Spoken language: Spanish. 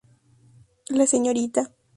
La srta.